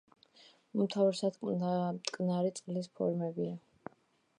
უმთავრესად მტკნარი წყლის ფორმებია.